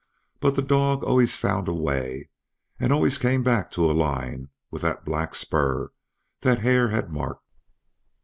But the dog always found a way and always came back to a line with the black spur that Hare had marked.